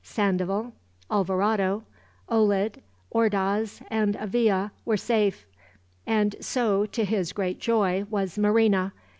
Sandoval, Alvarado, Olid, Ordaz and Avila were safe; and so, to his great joy, was Marina.